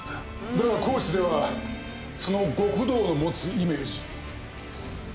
だが高知ではその極道が持つイメージ。